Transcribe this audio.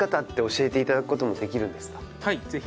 はいぜひ。